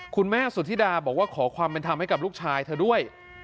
คุณแม่สุธิดาบอกว่าขอความเป็นธรรมให้กับลูกชายเธอด้วย